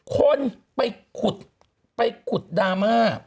คนไปขุดดราม่า